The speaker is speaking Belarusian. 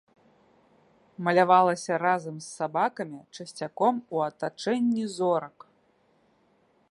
Малявалася разам з сабакамі, часцяком у атачэнні зорак.